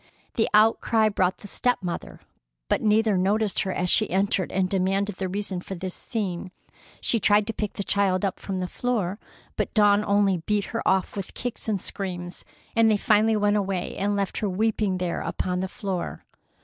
The outcry brought the step mother, but neither noticed her as she entered and demanded the reason for this scene. She tried to pick the child up from the floor, but Dawn only beat her off with kicks and screams, and they finally went away and left her weeping there upon the floor.